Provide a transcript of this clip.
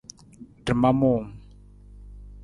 Rama muuwung.